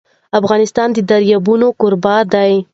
افغانستان د دریابونه کوربه دی.